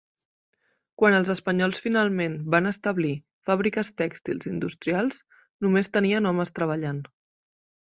Quan els espanyols finalment van establir fàbriques tèxtils industrials, només tenien homes treballant.